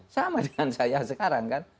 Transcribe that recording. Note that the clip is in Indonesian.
sama dengan saya sekarang kan